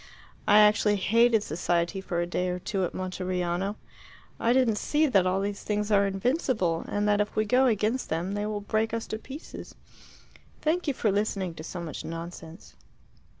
I actually hated society for a day or two at Monteriano. I didn't see that all these things are invincible, and that if we go against them they will break us to pieces. Thank you for listening to so much nonsense."